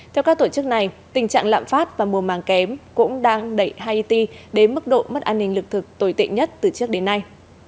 theo các tổ chức này tình trạng lạm phát và mùa màng kém cũng đang đẩy haiti đến mức độ mất an ninh lực thực tồi tệ nhất từ trước đến nay